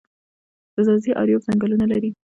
د ځاځي اریوب ځنګلونه لري